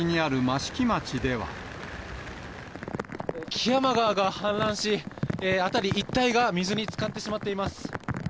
木山川が氾濫し、辺り一帯が水につかってしまっています。